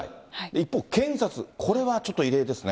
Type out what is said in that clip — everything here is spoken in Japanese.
一方検察、これはちょっと異例ですね。